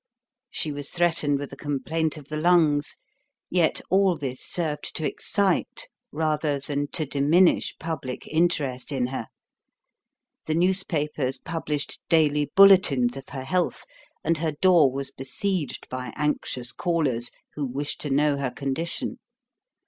She was threatened with a complaint of the lungs; yet all this served to excite rather than to diminish public interest in her. The newspapers published daily bulletins of her health, and her door was besieged by anxious callers who wished to know her condition.